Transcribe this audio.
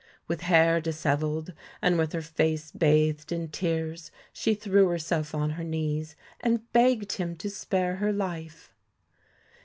With hair dishevelled and with her face bathed in tears she threw herself on her knees, and begged him to spare her life.